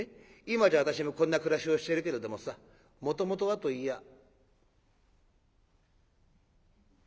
今じゃ私もこんな暮らしをしているけれどもさもともとはといいやあ」。